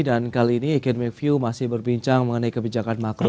dan kali ini economic view masih berbincang mengenai kebijakan makro